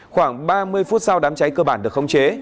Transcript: khoảng ba mươi phút sau đám cháy cơ bản được không chế